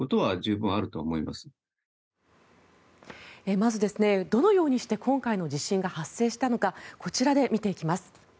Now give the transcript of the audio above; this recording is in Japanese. まず、どのようにして今回の地震が発生したのかこちらで見ていきます。